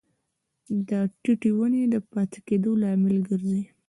دا د ټیټې ونې د پاتې کیدو لامل ګرځي.